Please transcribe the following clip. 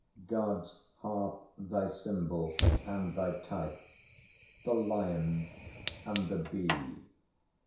God's harp thy symbol, and thy typeThe lion and the bee!